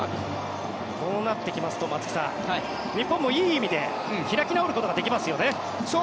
こうなってきますと松木さん、日本もいい意味で開き直ることができますよね。